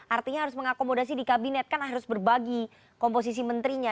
artinya harus mengakomodasi di kabinet kan harus berbagi komposisi menterinya